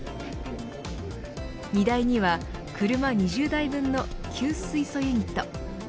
荷台には、車２０台分の給水素ユニット。